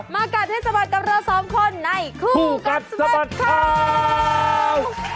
กัดให้สะบัดกับเราสองคนในคู่กัดสะบัดข่าว